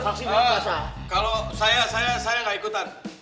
kalau saya saya tidak ikutan